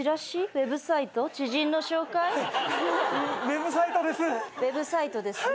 ウェブサイトですね。